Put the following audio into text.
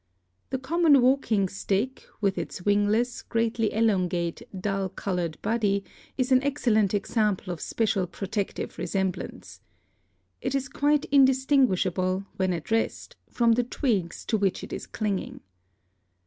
The common walking stick, with its wingless, greatly elongate, dull colored body, is an excel lent example of special protective resemblance. It is quite ADAPTATION 285 indistinguishable, when at rest, from the twigs to which it is clinging.